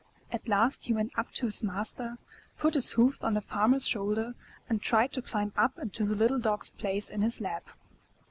At last he went up to his master, put his hoofs on the Farmer* s shoulder, and tried to climb up into the little Dog's place in his lap.